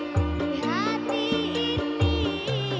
ku berharap engkau mengerti